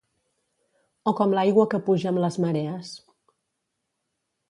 O com l’aigua que puja amb les marees.